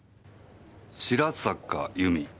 白坂由美。